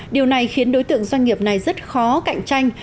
điều này khiến đối tượng doanh nghiệp này rất khó cạnh tranh